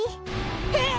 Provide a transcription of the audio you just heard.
えっ！？